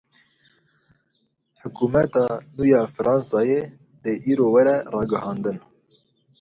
Hikûmeta nû ya Fransayê dê îro were ragihandin.